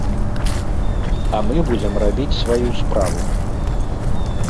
А мы будзем рабіць сваю справу.